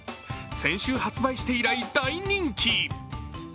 先週発売して以来、大人気。